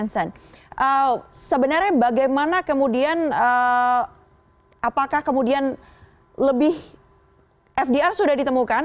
sebenarnya bagaimana kemudian apakah kemudian lebih fdr sudah ditemukan